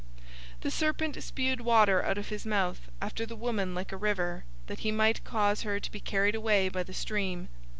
012:015 The serpent spewed water out of his mouth after the woman like a river, that he might cause her to be carried away by the stream.